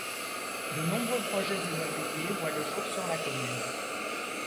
De nombreux projets immobiliers voient le jour sur la commune.